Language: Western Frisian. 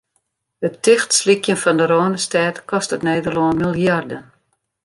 It tichtslykjen fan de Rânestêd kostet Nederlân miljarden.